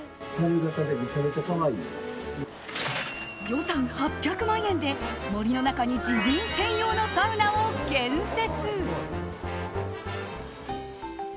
予算８００万円で森の中に自分専用のサウナを建設。